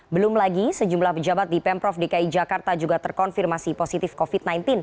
belum lagi sejumlah pejabat di pemprov dki jakarta juga terkonfirmasi positif covid sembilan belas